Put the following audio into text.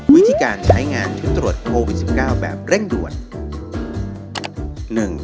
วิธีการใช้งานหรือตรวจโควิด๑๙แบบเร่งด่วน